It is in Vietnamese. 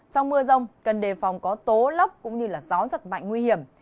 trong mưa rông cần đề phòng có tố lấp cũng như gió rất mạnh nguy hiểm